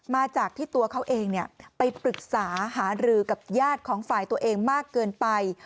มาจากที่ตัวเขาเองไปปรึกษาหารือกับญาติของฝ่ายตัวเองมากเกินไป